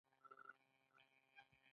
د کوانټم ګرویټي لا تر اوسه نه دی حل شوی.